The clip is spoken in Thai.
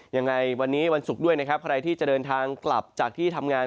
ยังไงวันนี้วันศุกร์ด้วยนะครับใครที่จะเดินทางกลับจากที่ทำงาน